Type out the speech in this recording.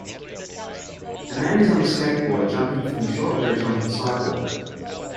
A man is on a skateboard jumping from a short ledge onto the sidewalk.